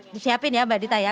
disiapin ya mbak dita ya